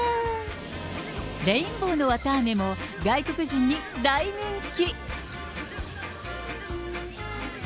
レインボーのわたあめも、外国人に大人気。